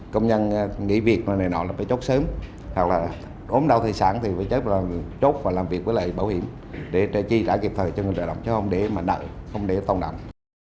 công nhân nghỉ việc mà này nọ là phải chốt sớm hoặc là ốm đau thời sản thì phải chốt và làm việc với lại bảo hiểm để chi trả kịp thời cho người lao động chứ không để mà đợi không để tông nặng